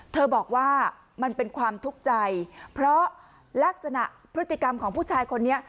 บอกว่ามันเป็นความทุกข์ใจเพราะลักษณะพฤติกรรมของผู้ชายคนนี้